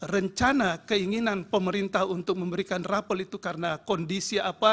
rencana keinginan pemerintah untuk memberikan rapel itu karena kondisi apa